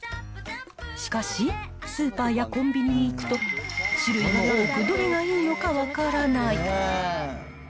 しかし、スーパーやコンビニに行くと、種類も多く、どれがいいのか分からない。